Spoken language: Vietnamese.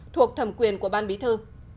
thuộc thẩm quyền của ban bí thư